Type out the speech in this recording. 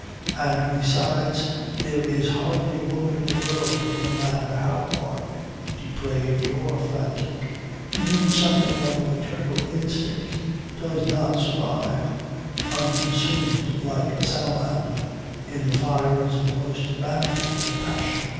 And besides there is hardly a woman in the world, no matter how hard, depraved or frantic, in whom something of the maternal instinct does not survive, unconsumed like a salamander, in the fires of the most abandoned passion.